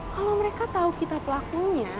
kalau mereka tahu kita pelakunya